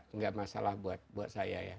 saya nggak masalah buat saya ya